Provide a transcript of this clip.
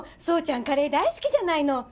奏ちゃんカレー大好きじゃないの。